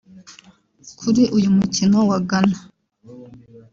Kuri uyu mukino wa Ghana